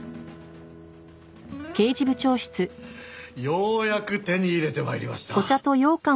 ようやく手に入れて参りました。